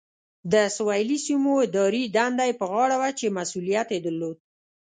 د سویلي سیمو اداري دنده یې په غاړه وه چې مسؤلیت یې درلود.